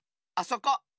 あそこ。